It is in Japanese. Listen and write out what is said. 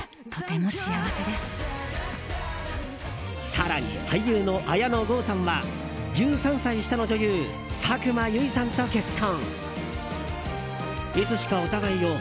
更に、俳優の綾野剛さんは１３歳下の女優佐久間由衣さんと結婚。